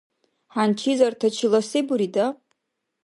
Хӏянчизартачила се бурида?